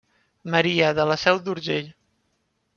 Maria de la Seu d'Urgell.